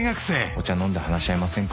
「お茶飲んで話し合いませんか？」